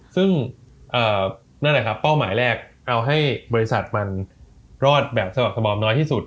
ช่วงนี้บริษัทมันรอดแบบสะบักสมอมน้อยที่สุด